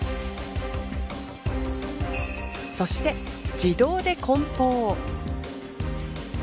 そして自動で梱包。